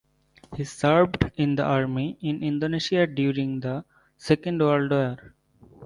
He served in the army in Indonesia during the Second World War.